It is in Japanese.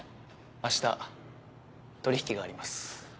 明日取引があります。